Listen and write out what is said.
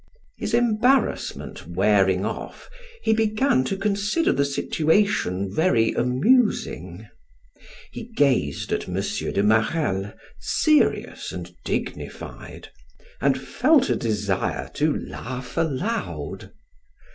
His embarrassment wearing off, he began to consider the situation very amusing. He gazed at M. de Marelle, serious and dignified, and felt a desire to laugh aloud.